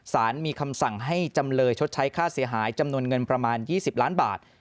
สารมีคำสั่งให้จำเลยชดใช้ค่าเสียหายจำนวนเงินประมาณ๒๐ล้านบาท